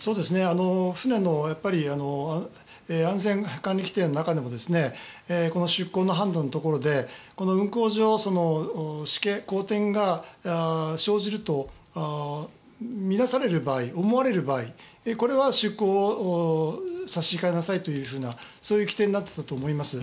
船の安全管理規程の中でもこの出港の判断のところで運航上、しけ、荒天が生じると見なされる場合思われる場合これは出港を差し控えなさいというそういう規程になっていたと思います。